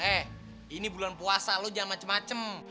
eh ini bulan puasa lo jangan macem macem